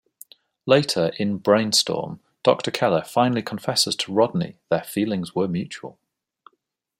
Later, in "Brainstorm", Doctor Keller finally confesses to Rodney their feelings were mutual.